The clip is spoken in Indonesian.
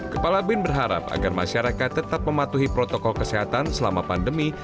kepala bin berharap agar masyarakat tetap mematuhi protokol kesehatan selama pandemi